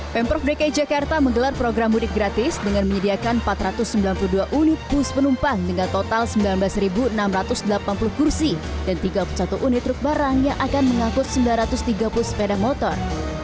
pemprov dki jakarta menggelar program mudik gratis dengan menyediakan empat ratus sembilan puluh dua unit bus penumpang dengan total sembilan belas enam ratus delapan puluh kursi dan tiga puluh satu unit truk barang yang akan mengangkut sembilan ratus tiga puluh sepeda motor